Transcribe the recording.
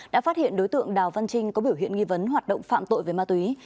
đã phát hiện đối tượng đào văn trinh có biểu hiện nghi vấn hoạt động phạm tội về ma túy